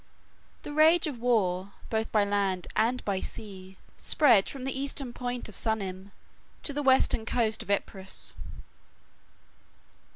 The rage of war, both by land and by sea, spread from the eastern point of Sunium to the western coast of Epirus.